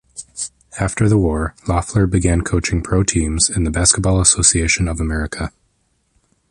After the war Loeffler began coaching pro teams in the Basketball Association of America.